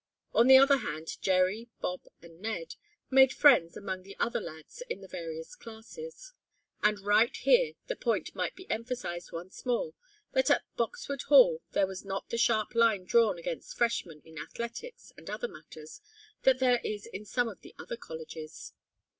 On the other hand Jerry, Bob and Ned made friends among the other lads in the various classes. And right here the point might be emphasized once more that at Boxwood Hall there was not the sharp line drawn against freshmen in athletics and other matters that there is in some of the other colleges.